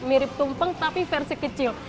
mirip tumpeng tapi versi kecil